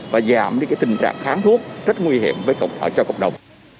và giảm đi tình trạng kháng thuốc rất nguy hiểm cho cộng đồng